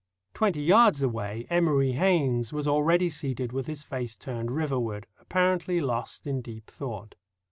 Twenty yards away Emory Haynes was already seated with his face turned riverward, apparently lost in deep thought.